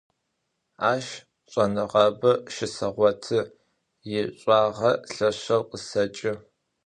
Aş ş'enığabe şıseğotı, yiş'uağe lheşşeu khıseç'ı.